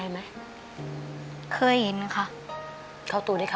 ดีขึ้นไหม